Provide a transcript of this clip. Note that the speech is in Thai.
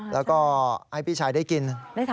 แล้วก็ให้พี่ชายได้กิน